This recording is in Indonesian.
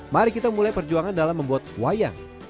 mari kita mulai perjuangan dalam membuat wayang